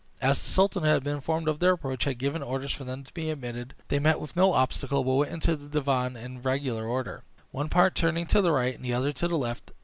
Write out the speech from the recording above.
As the sultan, who had been informed of their approach, had given orders for them to be admitted, they met with no obstacle, but went into the divan in regular order, one part turning to the right, and the other to the left.